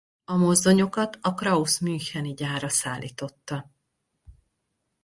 A mozdonyokat a Krauss müncheni gyára szállította.